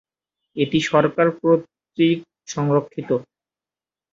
এটি সরকার কর্তৃক সংরক্ষিত।